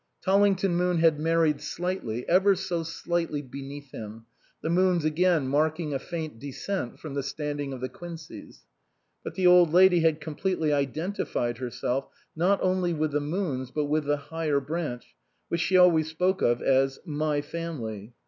Tolling ton Moon had married slightly, ever so slightly beneath him, the Moons again marking a faint descent from the standing of the Quinceys. But the old lady had completely identified her self, not only with the Moons, but with the higher branch, which she always spoke of as " my family."